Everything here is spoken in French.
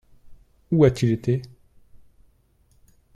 Où a-t-il été ?